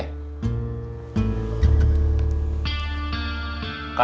tunggu dulu usahalah